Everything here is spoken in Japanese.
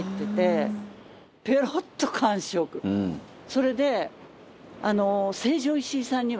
それで。